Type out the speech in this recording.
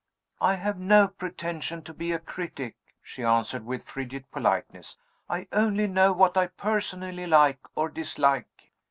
"I have no pretension to be a critic," she answered, with frigid politeness. "I only know what I personally like or dislike."